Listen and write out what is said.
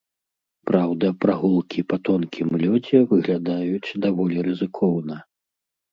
Праўда, прагулкі па тонкім лёдзе выглядаюць даволі рызыкоўна.